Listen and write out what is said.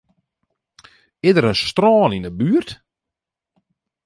Is der in strân yn 'e buert?